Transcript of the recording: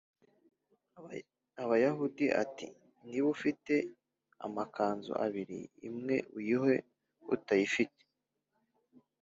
Abayahudi ati niba ufite amakanzu abiri imwe uyihe utayifite